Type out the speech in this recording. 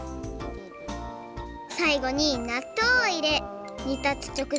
さいごになっとうをいれにたつちょく